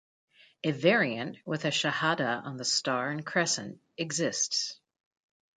A variant, with a shahadah on the star and crescent exists.